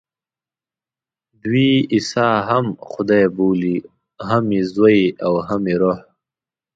دوی عیسی هم خدای بولي، هم یې زوی او هم یې روح.